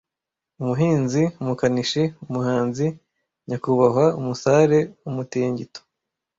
Umuhinzi, umukanishi, umuhanzi, nyakubahwa, umusare, umutingito ,